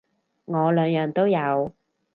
我兩樣都有